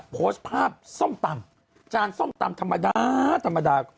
โพสต์ภาพส้อมตำ